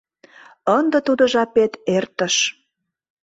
Ынде тудо жапет эртыш...